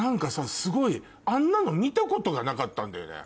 すごいあんなの見たことがなかったんだよね。